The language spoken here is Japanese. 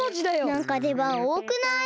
なんかでばんおおくない？